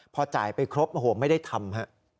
พอจ่ายไปครบโอ้โหไม่ได้ทำ